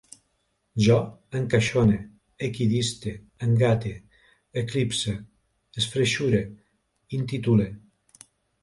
Jo encaixone, equidiste, engate, eclipse, esfreixure, intitule